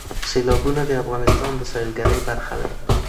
سیلابونه د افغانستان د سیلګرۍ برخه ده.